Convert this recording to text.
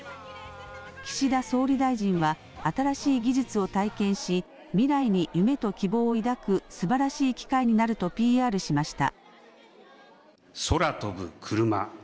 岸田総理大臣は新しい技術を体験し未来に夢と希望を抱くすばらしい機会になるとＰＲしました。